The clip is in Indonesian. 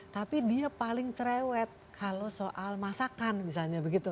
tapi dia paling cerewet kalau soal masakan misalnya begitu